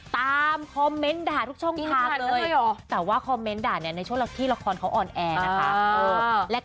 ตามคอมเมนต์ด่าทุกช่องทางเลยแต่ว่าคอมเมนต์ด่าเนี่ยในช่วงที่ละครเขาอ่อนแอนะคะ